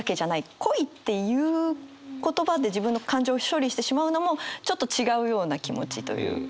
「恋」っていう言葉で自分の感情を処理してしまうのもちょっと違うような気持ちというか。